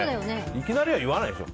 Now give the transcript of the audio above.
いきなりは言わないでしょ。